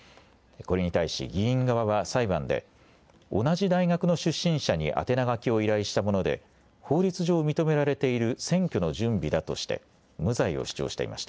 これに対し議員側は裁判で同じ大学の出身者に宛名書きを依頼したもので法律上認められている選挙の準備だとして無罪を主張していました。